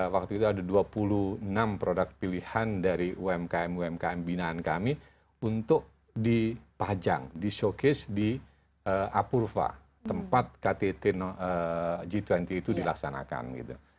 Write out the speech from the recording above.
waktu itu ada dua puluh enam produk pilihan dari umkm umkm binaan kami untuk dipajang di showcase di apurva tempat ktt g dua puluh itu dilaksanakan gitu